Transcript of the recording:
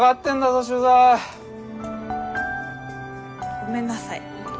ごめんなさい。